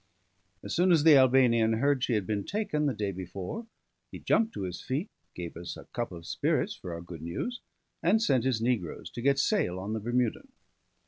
As soon as the Albanian heard she had been taken the day before, he jumped to his feet, gave us a cup of spirits for our good news, and sent his negroes to get sail on the Bermudan.